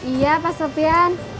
iya pak sopian